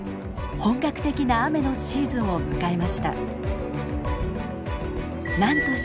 本格的な雨のシーズンを迎えました。